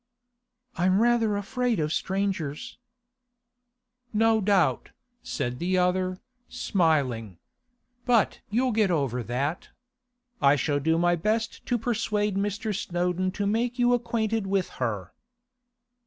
'I'm rather afraid of strangers.' 'No doubt,' said the other, smiling. 'But you'll get over that. I shall do my best to persuade Mr. Snowdon to make you acquainted with her.